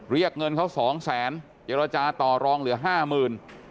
เรียกเงินเขาสองแสนเจรจาต่อรองเหลือห้าหมื่น